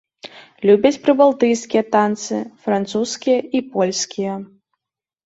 Любяць прыбалтыйскія танцы, французскія і польскія.